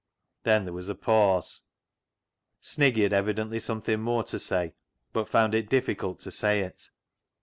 Then there was a pause. Sniggy had evi " BULLET" PIE 213 dently something more to say, but found it difficult to say it.